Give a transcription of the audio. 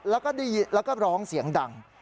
แล้วก็ร้องเสียงดัง